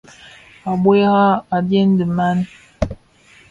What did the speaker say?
A bùrà, a dyèn dì mang.